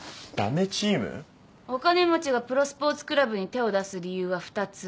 お金持ちがプロスポーツクラブに手を出す理由は２つ。